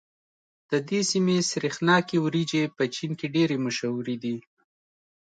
د دې سيمې سرېښناکې وريجې په چين کې ډېرې مشهورې دي.